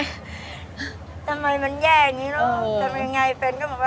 พอแจกหมดพรุ่งนี้ก็ลงมาอีกรอบ